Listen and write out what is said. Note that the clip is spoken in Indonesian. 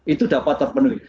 itu dapat terpenuhi